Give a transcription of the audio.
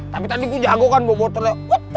tapi tadi gue jago kan bawa motornya